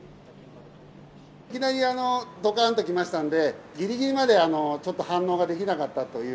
いきなりどかんときましたんで、ぎりぎりまでちょっと反応ができなかったという。